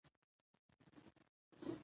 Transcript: د فيمنستانو د فکر پر بنسټ، که